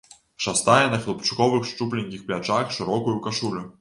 Шастае на хлапчуковых шчупленькіх плячах шырокую кашулю.